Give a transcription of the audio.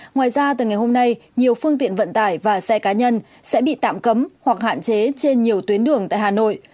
ngoài ra từ ngày hôm nay nhiều phương tiện vận tải và xe cá nhân sẽ bị tạm cấm hoặc hạn chế trên nhiều tuyến đường tại hà nội